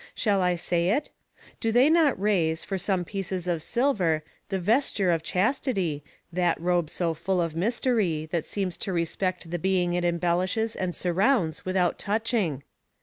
Shall I say it? Do they not raise, for some pieces of silver, the vesture of chastity, that robe so full of mystery, that seems to respect the being it embellishes and surrounds without touching?